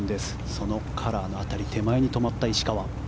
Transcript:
そのカラーの辺り手前に止まった石川。